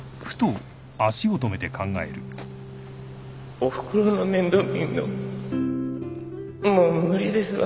おふくろの面倒見んのもう無理ですわ